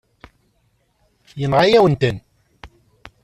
Yenɣa-yawen-ten.